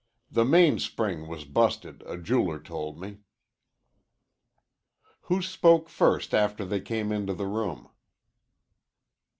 The mainspring was busted, a jeweler told me." "Who spoke first after they came into the room?"